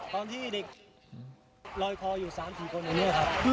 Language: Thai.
ตอนที่เด็กร้องให้ช่วยลอยคออยู่๓๔คนอยู่เนี่ยค่ะ